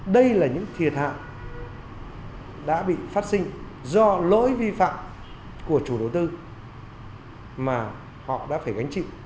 đây là những thiệt hại đã bị phát sinh do lỗi vi phạm của chủ đầu tư mà họ đã phải gánh chịu